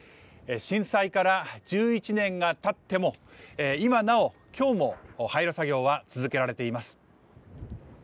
震災から１１年がたっても今なお廃炉作業は続けられています